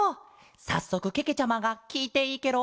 さっそくけけちゃまがきいていいケロ？